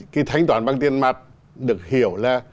cái thanh toán bằng tiền mặt được hiểu là